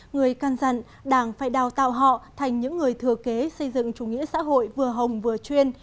người căn dặn đảng phải đào tạo họ thành những người thừa kế xây dựng chủ nghĩa xã hội vừa hồng vừa chuyên